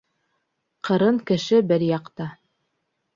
Ҡырын кеше бер яҡта.